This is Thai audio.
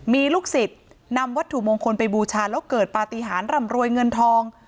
มีลูกศิษย์นำวัตถุมงคลไปบูชาแล้วเกิดปฏิหารร่ำรวยเงินทอง